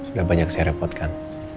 sudah banyak saya repotkan